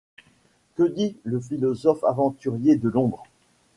Que dit le philosophe, aventurier de l’ombre ?